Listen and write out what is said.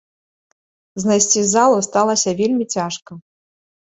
Знайсці залу сталася вельмі цяжка.